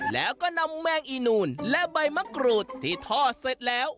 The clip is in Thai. แล้วก็นำแมงอีนูนและใบมะกรูดที่ทอดเสร็จแล้ว